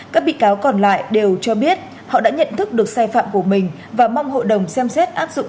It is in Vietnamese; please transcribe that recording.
các bị cáo còn lại đều cho biết họ đã nhận thức được sai phạm của mình và mong hội đồng xem xét áp dụng